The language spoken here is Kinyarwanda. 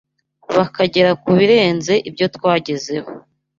bakagera ku birenze ibyo twagezeho